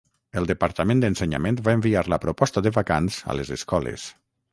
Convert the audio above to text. El Departament d'Ensenyament va enviar la proposta de vacants a les escoles.